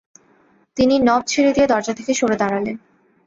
তিনি নব ছেড়ে দিয়ে দরজা থেকে সরে দাঁড়ালেন।